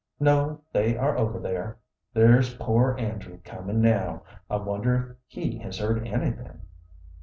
"No; they are over there. There's poor Andrew coming now; I wonder if he has heard anything?"